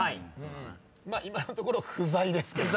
まあ今のところ不在ですけども。